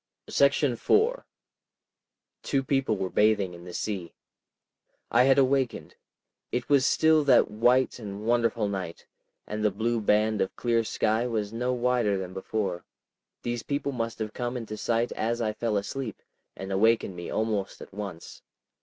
§ 4 Two people were bathing in the sea. I had awakened. It was still that white and wonderful night, and the blue band of clear sky was no wider than before. These people must have come into sight as I fell asleep, and awakened me almost at once.